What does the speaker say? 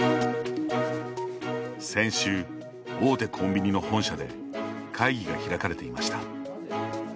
先週、大手コンビニの本社で会議が開かれていました。